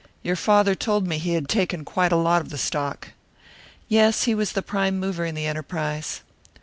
Your father told me he had taken quite a lot of the stock." "Yes, he was the prime mover in the enterprise."